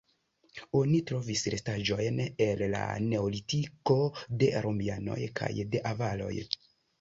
Oni trovis restaĵojn el la neolitiko, de romianoj kaj de avaroj.